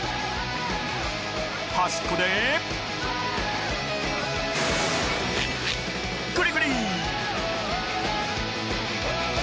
端っこでグリグリ！